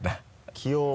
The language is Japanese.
気温は。